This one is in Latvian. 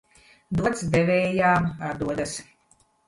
Dots devējām atdodas.